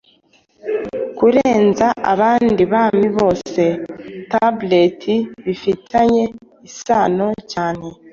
Kurenza abandi bami bose Tablet bifitanye isano cyane